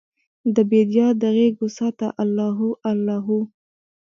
دبیدیا د غیږوسعته الله هو، الله هو